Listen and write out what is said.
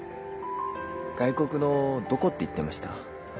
外国のどこって言ってました？